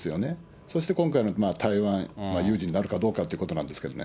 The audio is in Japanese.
そして今回、台湾有事になるかどうかっていうことなんですけどね。